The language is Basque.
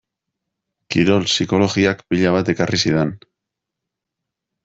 Kirol psikologiak pila bat ekarri zidan.